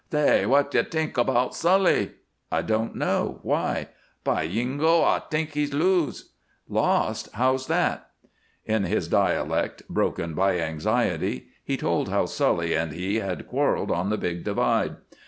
"Saay! W'at you t'ink 'bout Sully?" "I don't know. Why?" "By yingo, ay t'ink he's lose!" "Lost! How's that?" In his dialect, broken by anxiety, he told how Sully and he had quarreled on the big divide.